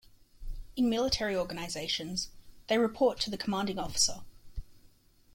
In military organizations, they report to the commanding officer.